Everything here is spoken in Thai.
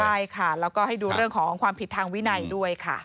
ใช่ค่ะแล้วก็ให้ดูเรื่องของความผิดทางวินัยด้วยค่ะ